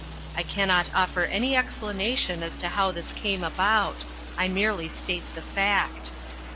I cannot offer any explanation as to how this came about. I merely state the fact.